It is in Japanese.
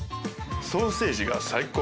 ソーセージが最高まず。